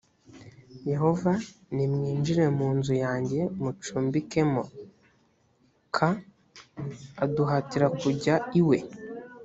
yehova nimwinjire mu nzu yanjye mucumbikemo k aduhatira kujya iwe